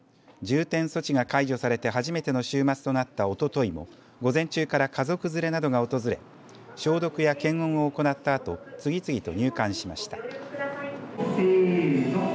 重点措置が解除されて初めての週末となったおとといも午前中から家族連れなどが訪れ消毒や検温を行ったあと次々と入館しました。